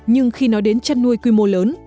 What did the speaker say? nhưng khi nói đến chăn nuôi quy mô lớn